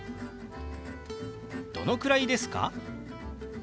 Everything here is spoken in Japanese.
「どのくらいですか？」。